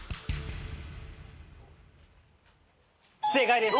正解です。